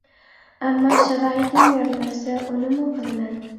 ئەمما شارائىتىم يار بەرسە ئۇنىمۇ قىلىمەن.